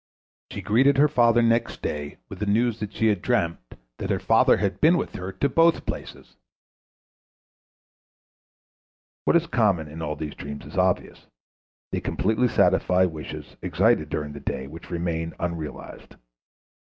She greeted her father next day with the news that she had dreamt that her father had been with her to both places. What is common in all these dreams is obvious. They completely satisfy wishes excited during the day which remain unrealized.